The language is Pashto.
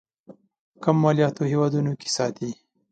کم مالياتو هېوادونو کې ساتي.